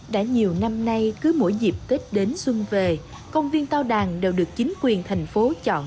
đã nhiều năm nay cứ mỗi dịp tết đến xuân về công viên tao đàn đều được chính quyền thành phố chọn